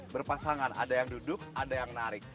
berpasangan ada yang duduk ada yang narik